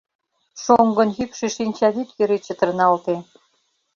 Шоҥгын йӱкшӧ шинчавӱд йӧре чытырналте.